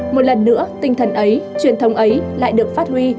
một lần nữa tinh thần ấy truyền thống ấy lại được phát huy